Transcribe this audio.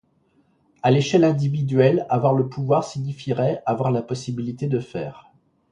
À l'échelle individuelle, avoir le pouvoir signifierait avoir la possibilité de faire.